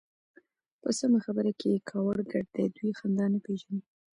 په سمه خبره کې يې کاوړ ګډ دی. دوی خندا نه پېژني.